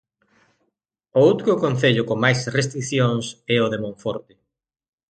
O outro concello con máis restricións é o de Monforte.